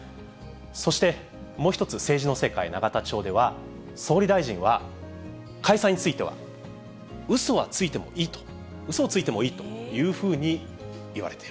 そして、もう一つ、政治の世界、永田町では、総理大臣は解散についてはうそはついてもいいと、うそをついてもいいというふうにいわれている。